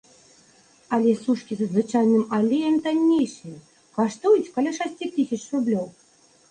Але сушкі са звычайным алеем таннейшыя, каштуюць каля шасці тысяч рублёў.